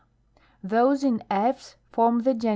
Those in tvg form the gen.